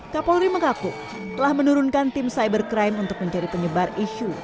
kapolri mengaku telah menurunkan tim cybercrime untuk mencari penyebar isu